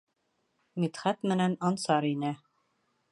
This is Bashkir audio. Мидхәт менән Ансар инә.